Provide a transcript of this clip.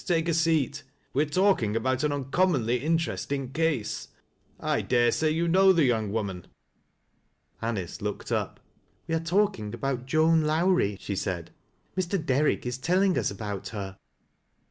Take a seat. We are talking about an uncommonly interesting case. I dare say you know the young woman." Anice looked up. " We are talking about Joan Lowrie," she said. " Mr [>3?rick is telling us about her."